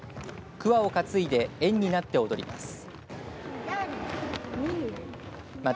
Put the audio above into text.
くわを担いで円になって踊ります。